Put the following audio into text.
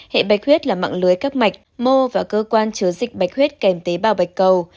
hệ bạch huyết là mạng lưới các mạch mô và cơ quan chứa dịch bạch huyết kèm tế bào bạch cầu